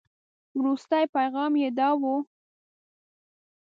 وروستي پيغام یې داو.